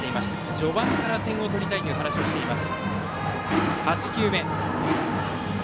序盤から点を取りたいという話をしています。